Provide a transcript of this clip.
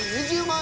２０万！？